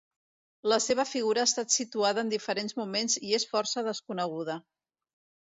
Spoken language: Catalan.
La seva figura ha estat situada en diferents moments i és força desconeguda.